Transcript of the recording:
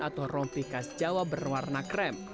atau rompikas jawa berwarna krem